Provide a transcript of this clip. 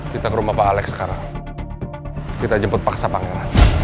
kita ke rumah pak alex sekarang kita jemput paksa pangeran